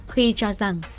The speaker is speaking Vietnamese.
khi cho rằng